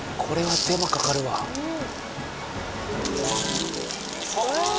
これは手間かかるわ。